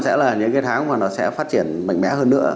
sẽ là những cái tháng mà nó sẽ phát triển mạnh mẽ hơn nữa